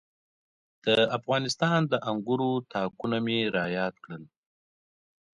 د افغانستان د انګورو تاکونه مې را یاد کړل.